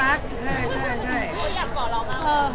อยากเกาะเราบ้าง